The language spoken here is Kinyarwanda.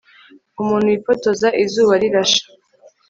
Umuntu wifotoza izuba rirashe